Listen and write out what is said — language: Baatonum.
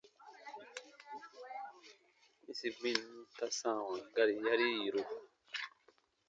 -yĩsi gbinnu ta sãawa gari yarii yiru.